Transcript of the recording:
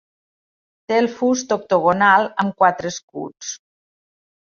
Té el fust octogonal, amb quatre escuts.